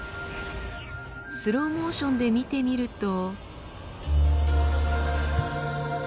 スローモーションで見てみると。